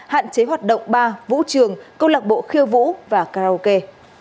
hạn chế hoạt động ba vũ trường câu lạc bộ khiêu vũ và karaoke